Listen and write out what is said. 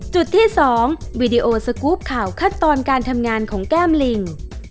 จุดที่๒วีดีโอสกรูปข่าวขั้นตอนการทำงานของแก้มลิง